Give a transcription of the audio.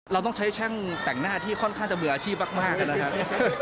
เราต้องใช้ช่างแต่งหน้าที่ค่อนข้างจะเบื่ออาชีพมากนะครับ